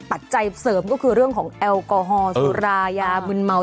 ปัจจัยเสริมก็คือเรื่องของแอลกอฮอลสุรายามืนเมา